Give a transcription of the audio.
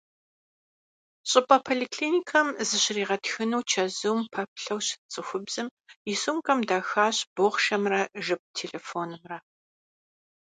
ЩӀыпӀэ поликлиникэм зыщригъэтхыну чэзум пэплъэу щыт цӏыхубзым и сумкӀэм дахащ бохъшэмрэ жып телефонымрэ.